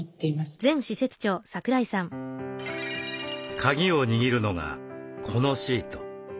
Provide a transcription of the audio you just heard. カギを握るのがこのシート。